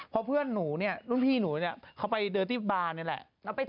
เพราะเพื่อนหนูเนี่ยรุ่นพี่หนูเนี่ยเขาไปเดินที่บานนี่แหละ